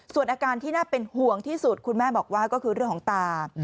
ส่วนอาการที่น่าเป็นห่วงที่สุดคุณแม่บอกว่าก็คือเรื่องของตา